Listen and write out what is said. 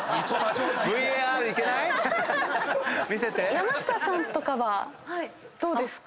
⁉山下さんとかはどうですか？